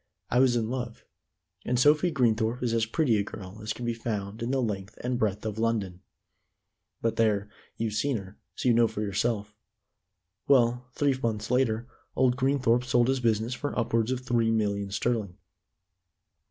I was in love, and Sophie Greenthorpe is as pretty a girl as can be found in the length and breadth of London. But there, you've seen her, so you know for yourself. Well, three months later, old Greenthorpe sold his business for upwards of three million sterling.